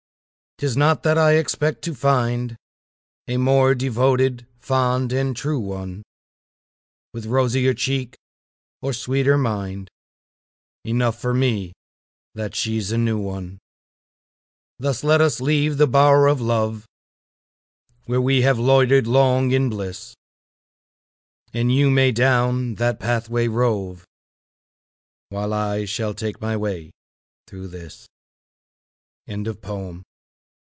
'Tis not that I expect to find A more devoted, fond and true one, With rosier cheek or sweeter mind Enough for me that she's a new one. Thus let us leave the bower of love, Where we have loitered long in bliss; And you may down that pathway rove, While I shall take my way through this. ANACREONTIC.